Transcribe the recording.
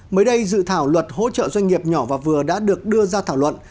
mới đây dự thảo luật hỗ trợ doanh nghiệp nhỏ và vừa đã được đưa ra thảo luận